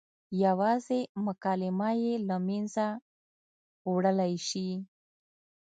یوازې مکالمه یې له منځه وړلی شي.